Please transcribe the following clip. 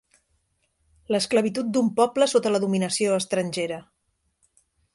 L'esclavitud d'un poble sota la dominació estrangera.